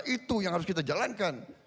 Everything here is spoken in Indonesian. itu yang harus kita jalankan